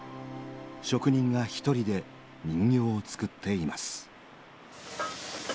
職人が一人で人形を作っています。